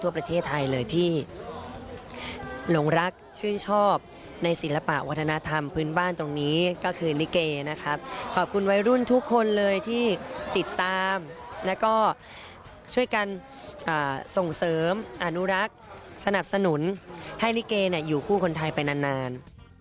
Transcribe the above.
ประเทศไทยเลยที่หลงรักชื่นชอบในศิลปะวัฒนธรรมพื้นบ้านตรงนี้ก็คือลิเกนะครับขอบคุณวัยรุ่นทุกคนเลยที่ติดตามแล้วก็ช่วยกันส่งเสริมอนุรักษ์สนับสนุนให้ลิเกอยู่คู่คนไทยไปนาน